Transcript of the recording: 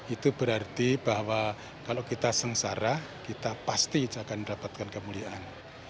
itu berarti bahwa kalau kita sengsara kita pasti akan mendapatkan kemuliaan